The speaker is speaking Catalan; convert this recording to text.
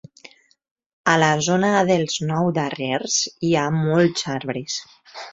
A la zona dels nou darrers hi ha molts arbres.